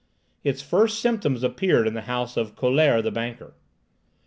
Its first symptoms appeared in the house of Collaert, the banker.